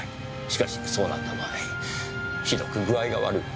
しかしそうなった場合ひどく具合が悪い。